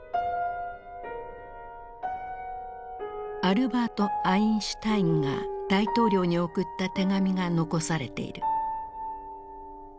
アルバート・アインシュタインが大統領に送った手紙が残されている。